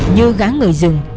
như gã người rừng